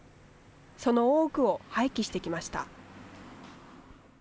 その多くを廃棄してきました。